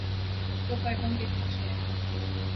تو پردوں کے پیچھے۔